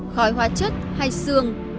khói hóa chất hay sương